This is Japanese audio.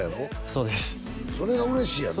そうですそれが嬉しいやんね